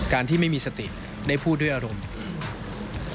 ที่ไม่มีสติได้พูดด้วยอารมณ์อีก